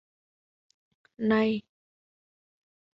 Này